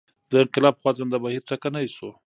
د انقلاب خوځنده بهیر ټکنی شو.